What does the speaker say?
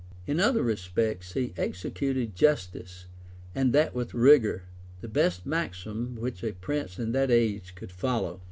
In other respects he executed justice, and that with rigor; the best maxim which a prince in that age could follow.